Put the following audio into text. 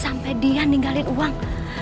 sampai dia ninggalin uang